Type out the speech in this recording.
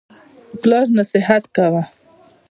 پلار نصیحت کاوه.